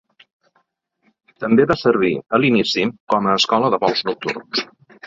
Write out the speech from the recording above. També va servir, a l’inici, com a escola de vols nocturns.